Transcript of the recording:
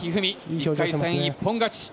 １回戦一本勝ち。